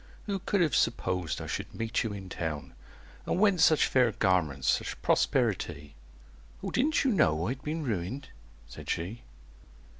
Who could have supposed I should meet you in Town? And whence such fair garments, such prosperi ty?" "O didn't you know I'd been ruined?" said she.